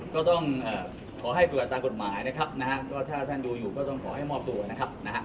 ก็ต้องขอให้ปริวัตรตามกฎหมายนะครับถ้าแทนอยู่อยู่ก็ต้องขอให้มอบตัวนะครับ